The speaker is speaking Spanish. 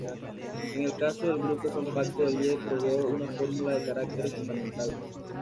En el caso del grupo compacto de Lie, probó una fórmula de caracteres fundamental.